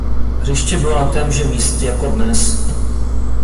Hřiště bylo na témže místě jako dnes.